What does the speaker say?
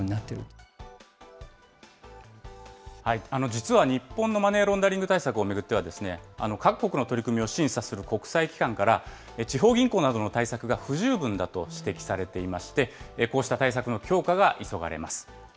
実は日本のマネーロンダリング対策を巡っては、各国の取り組みを審査する国際機関から、地方銀行などの対策が不十分だと指摘されていまして、こうした対策の強化が急がれます。